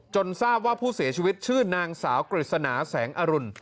ทราบว่าผู้เสียชีวิตชื่อนางสาวกฤษณาแสงอรุณ